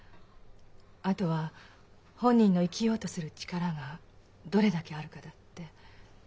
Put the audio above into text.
「あとは本人の生きようとする力がどれだけあるか」だって。